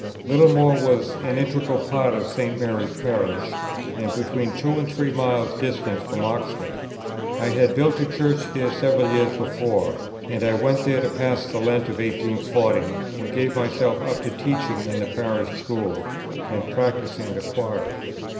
Littlemore was an integral part of St. Mary's Parish, and between two and three miles distant from Oxford. I had built a Church there several years before; and I went there to pass the Lent of 1840, and gave myself up to teaching in the Parish School, and practising the choir.